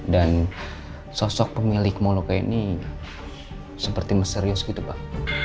dan sosok pemilik moloka ini seperti misterius gitu pak